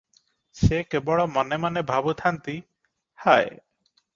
ସେ କେବଳ ମନେ ମନେ ଭାବୁଥାନ୍ତି "ହାୟ!